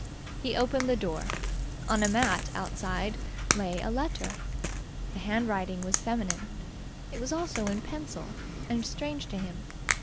He opened the door. On a mat outside lay a letter. The handwriting was feminine. It was also in pencil, and strange to him.